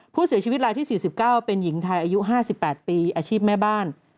ผู้เสียชีวิตรายที่๔๙เป็นหญิงไทยอายุ๕๘ปีอาชีพแม่บ้าน